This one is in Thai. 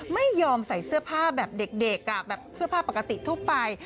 ไม่ยอมใส่เสื้อผ้าแบบเด็กแบบเสื้อผ้าปกติทั่วไป